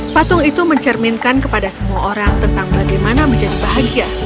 patung itu mencerminkan kepada semua orang tentang bagaimana menjadi bahagia